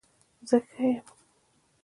زه ښه يم